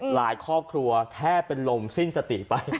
ครอบครัวแทบเป็นลมสิ้นสติไป